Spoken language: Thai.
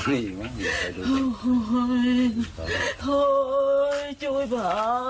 เป็นอะไรคะ